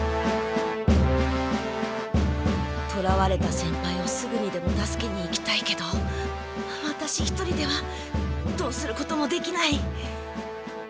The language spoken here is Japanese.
とらわれた先輩をすぐにでも助けに行きたいけどワタシ一人ではどうすることもできない。